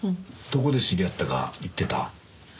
どこで知り合ったか言ってた？